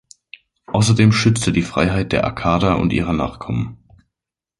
Außerdem schützte die Freiheit der Akkader und ihrer Nachkommen.